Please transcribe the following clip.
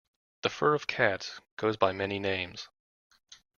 The fur of cats goes by many names.